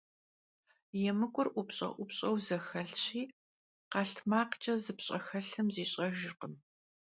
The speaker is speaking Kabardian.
Yêmık'ur 'Upş'e - 'Upş'eu zexelhşi khelhtmakhç'e zıpş'exelhım ziş'ejjırkhım.